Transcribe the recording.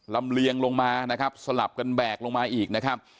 เลียงลงมานะครับสลับกันแบกลงมาอีกนะครับ